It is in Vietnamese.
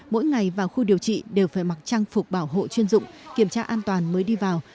mỗi ngày vào khu điều trị đều phải mặc trang phục bảo hộ chuyên dụng kiểm tra an toàn mới đi vào